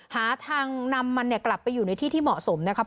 หาทางนำมันกลับไปอยู่ในที่ที่เหมาะสมนะครับ